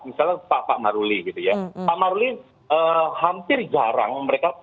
misalnya pak maruli gitu ya pak maruli hampir jarang mereka